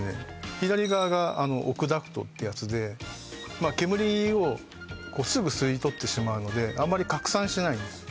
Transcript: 左側が奥ダクトってやつで煙をすぐ吸い取ってしまうのであまり拡散しないんです